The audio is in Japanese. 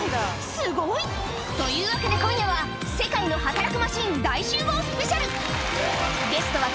すごい！というわけで、今夜は世界の働くマシン大集合スペシャル。